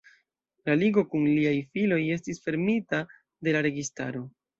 La Ligo kun liaj filoj estis fermita de la registaro.